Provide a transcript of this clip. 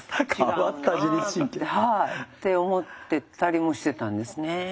変わった自律神経。って思ってたりもしてたんですね。